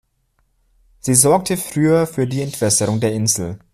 Sie sorgte früher für die Entwässerung der Insel.